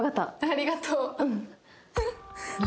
ありがとう！